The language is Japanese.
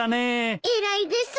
偉いです。